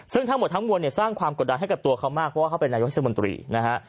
ซึ่งทั้งหมดทั้งมวลเนี่ยสร้างความกดดันให้กับตัวเขามากเพราะว่าเขาเป็นนายกเทศมนตรีนะฮะ